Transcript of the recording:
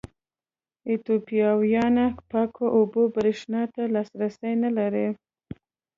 ایتوپیایان پاکو اوبو برېښنا ته لاسرسی نه لري.